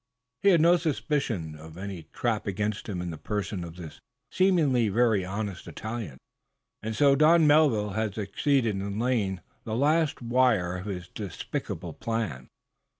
He had no suspicion of any trap against him in the person of this seemingly very honest Italian, and so Don Melville had succeeded in laying the last wire of his despicable plan.